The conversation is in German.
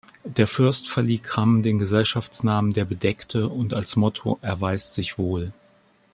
Der Fürst verlieh Cramm den Gesellschaftsnamen "der Bedeckte" und als Motto "erweist sich wohl".